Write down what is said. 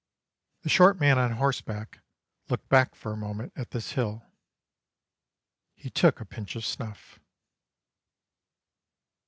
The short man on horseback looked back for a moment at this hill. He took a pinch of snuff.